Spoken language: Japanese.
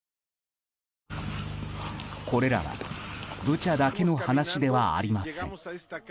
これらはブチャだけの話ではありません。